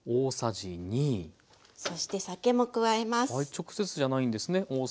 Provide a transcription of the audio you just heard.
直接じゃないんですね。